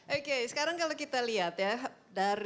oke sekarang kalau kita lihat ya